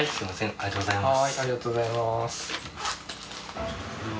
ありがとうございます。